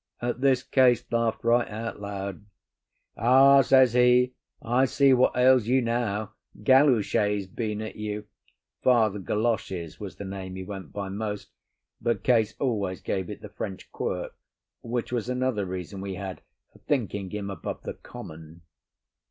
At this Case laughed right out loud. "Ah!" says he, "I see what ails you now. Galuchet's been at you."—Father Galoshes was the name he went by most, but Case always gave it the French quirk, which was another reason we had for thinking him above the common.